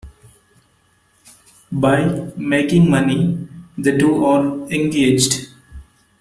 By "Making Money", the two are engaged.